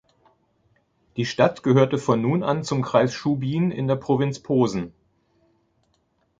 Die Stadt gehörte von nun an zum Kreis Schubin in der Provinz Posen.